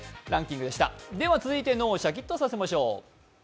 続いて、脳をシャキッとさせましょう。